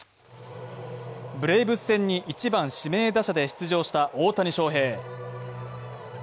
ブレーブス戦に１番・指名打者で出場した大谷翔平。